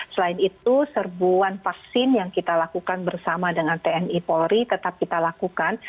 selain itu serbuan vaksin yang kita lakukan bersama dengan tni polri tetap kita lakukan